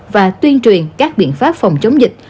và tuyên truyền các biện pháp phòng chống dịch